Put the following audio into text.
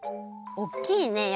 おっきいね！